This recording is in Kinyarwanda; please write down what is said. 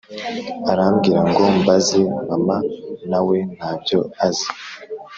arambwira ngo mbaze mama nawe ntabyo azi,